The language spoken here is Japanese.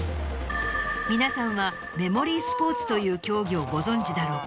皆さんはメモリースポーツという競技をご存じだろうか？